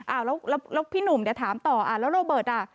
อ้าวแล้วพี่หนุ่มเดี๋ยวถามต่อแล้วโรเบิร์ตอ่ะ